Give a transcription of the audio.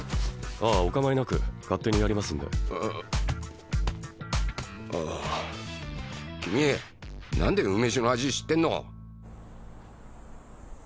ああお構いなく勝手にやりますんでああ君何で梅酒の味知ってんの？